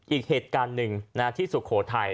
อีกเหตุการณ์หนึ่งที่สุโขทัย